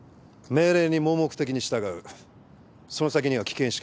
命令に盲目的に従うその先には危険しかない。